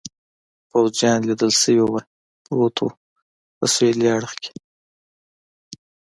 پوځیان لیدل شوي و، پروت و، په سهېلي اړخ کې.